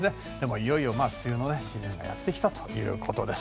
いよいよ梅雨のシーズンがやってきたということです。